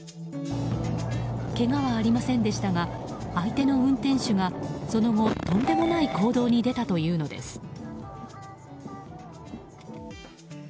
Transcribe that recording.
けがはありませんでしたが相手の運転手がその後、とんでもない行動に出たというのです。